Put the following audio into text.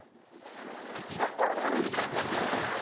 何で俺が悪いみたいな感じになってるの？